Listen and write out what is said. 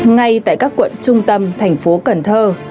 ngay tại các quận trung tâm thành phố cần thơ